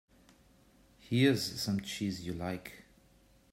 Here's some cheese you like.